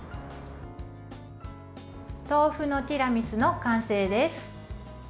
豆腐のティラミスの完成です。